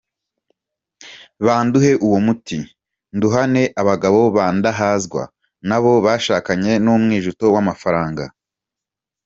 Banduhe uwo muti, nduhane abagabo bandahazwa nabo bashakanye nu mwijuto wamafraga .